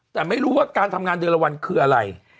แต่ไม่รู้ว่าการทำงานเดือนละวันคืออะไร